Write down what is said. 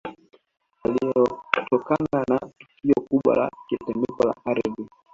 Yalitokana na tukio kubwa la tetemeko la Ardhi